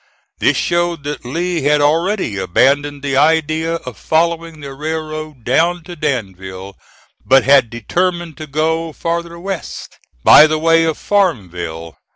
This showed that Lee had already abandoned the idea of following the railroad down to Danville, but had determined to go farther west, by the way of Farmville.